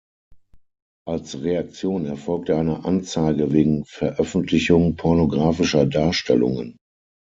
Als Reaktion erfolgte eine Anzeige wegen Veröffentlichung pornographischer Darstellungen.